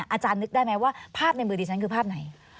อาจารย์นึกได้ไหมว่าภาพในมือดิฉันคือภาพไหน